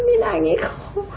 vì anh ấy khổ